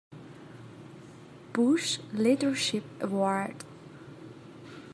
Bush Leadership Award.